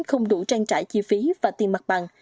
không đủ trang trải chi phí và tiền mặt bằng